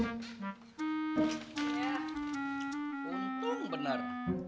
ya untung bener